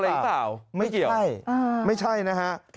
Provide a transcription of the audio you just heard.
กลัวอะไรหรือเปล่าไม่เกี่ยวไม่ใช่ไม่ใช่นะฮะ